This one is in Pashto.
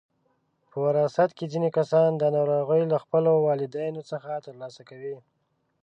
په وراثت کې ځینې کسان دا ناروغي له خپلو والدینو څخه ترلاسه کوي.